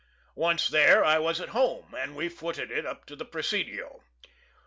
Once there, I was at home, and we footed it up to the Presidio.